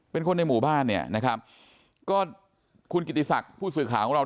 เป็นคนในหมู่บ้านเนี่ยนะครับก็คุณกิติศักดิ์ผู้สื่อข่าวของเรา